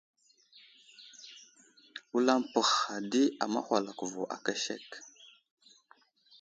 Wulam pətəhha di aməhwalako vo aka sek.